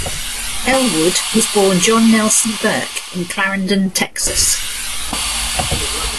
Ellwood was born Jon Nelson Burke in Clarendon, Texas.